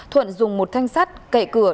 thuận dùng một thanh sắt kệ cửa